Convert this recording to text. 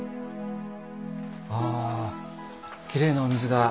あきれいなお水が。